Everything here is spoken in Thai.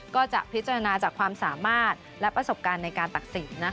ก็จะพิจารณาจากความสามารถและประสบการณ์ในการตัดสิน